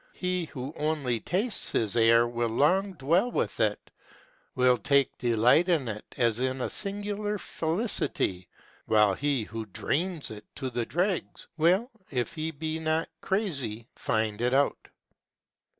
He who only tastes his error, will long dwell with it, will take delight in it as in a singular fe licity ; while he who drains it to the dregs will, if he be not crazy, find it out."